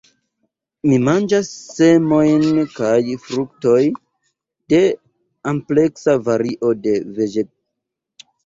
Ili manĝas semojn kaj fruktojn de ampleksa vario de vegetaloj.